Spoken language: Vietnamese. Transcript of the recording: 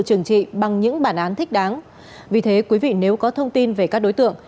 trường trị bằng những bản án thích đáng vì thế quý vị nếu có thông tin về các đối tượng